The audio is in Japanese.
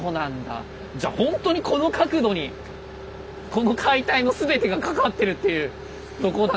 じゃあほんとにこの角度にこの解体の全てがかかってるっていうとこなんですね。